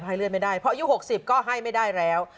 เลือดไม่ได้เพราะอายุ๖๐ก็ให้ไม่ได้แล้ว